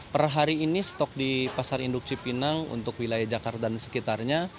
per hari ini stok di pasar induk cipinang untuk wilayah jakarta dan sekitarnya